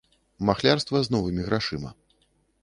Махлярства з новымі грашыма.